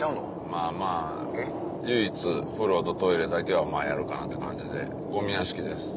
まぁまぁ唯一風呂とトイレだけはやるかなって感じでゴミ屋敷です。